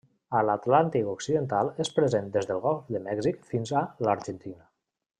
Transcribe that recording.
A l'Atlàntic occidental és present des del Golf de Mèxic fins a l'Argentina.